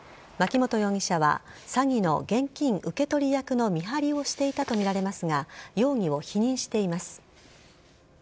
槇本容疑者は詐欺の現金受け取り役の見張りをしていたとみられますが容疑を否認しています。